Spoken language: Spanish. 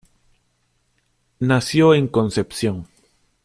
Nació en Concepción.